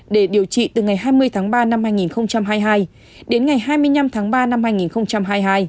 để điều trị từ ngày hai mươi tháng ba năm hai nghìn hai mươi hai đến ngày hai mươi năm tháng ba năm hai nghìn hai mươi hai